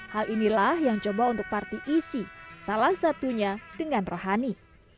hal inilah yang coba untuk parti isi salah satunya dengan rohani